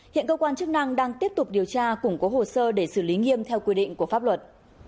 hiện cơ quan chức năng đang tiếp tục điều tra củng cố hồ sơ để xử lý nghiêm theo quy định của pháp luật